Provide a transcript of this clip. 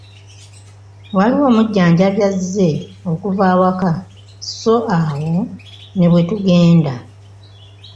Waliwo omujjanjabi azze okuva ewaka so awo ne bwetugenda.